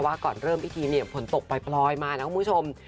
ก่อนเริ่มพิธีเนี่ยฝนตกปล่อยมานะคุณผู้ชม